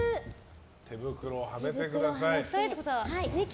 手袋をはめてください。